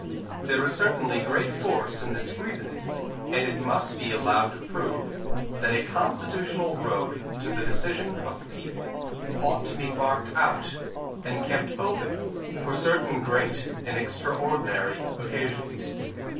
There is certainly great force in this reasoning, and it must be allowed to prove that a constitutional road to the decision of the people ought to be marked out and kept open, for certain great and extraordinary occasions.